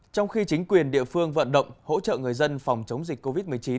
trong khi chính quyền địa phương vận động hỗ trợ người dân phòng chống dịch covid một mươi chín